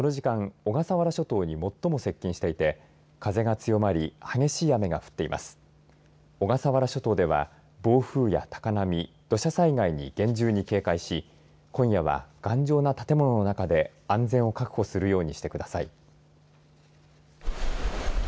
小笠原諸島では暴風や高波土砂災害に厳重に警戒し今夜は頑丈な建物の中で安全を確保するようにしてください。